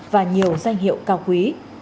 và nhiều danh hiệu cao quý